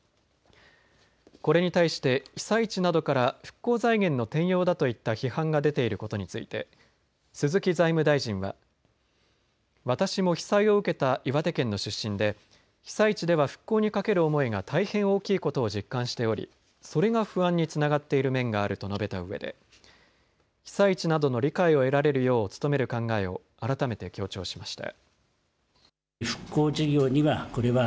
これに対して被災地などから復興財源の転用だといった批判が出ていることについて鈴木財務大臣は私も被災を受けた岩手県の出身で被災地では復興にかける思いが大変大きいことを実感しておりそれが不安につながっている面があると述べたうえで被災地などの理解を得られるよう努める考えを改めて強調しました。